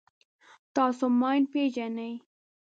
تاسو ماین پېژنئ.